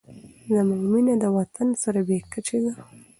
زموږ مینه د وطن سره بې کچې ده.